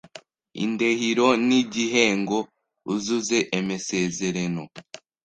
indehiro n’igihengo uzuze emesezereno,